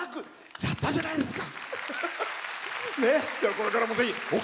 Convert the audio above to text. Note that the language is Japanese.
やったじゃないですか！